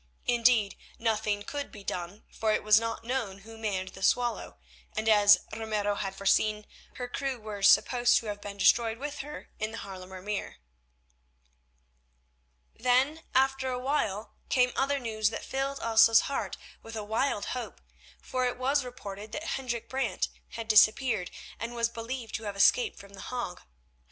Indeed, nothing could be done, for it was not known who manned the Swallow, and, as Ramiro had foreseen, her crew were supposed to have been destroyed with her in the Haarlemer Meer. Then, after a while, came other news that filled Elsa's heart with a wild hope, for it was reported that Hendrik Brant had disappeared, and was believed to have escaped from The Hague.